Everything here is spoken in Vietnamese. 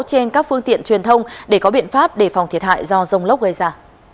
trên các phương tiện truyền thông để có biện pháp đề phòng thiệt hại do rông lốc gây ra